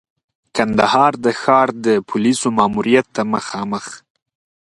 کندهار د ښار د پولیسو ماموریت ته مخامخ.